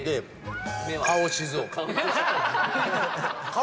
顔